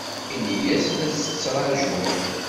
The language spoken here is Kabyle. Ini-as la tt-ttṛajuɣ.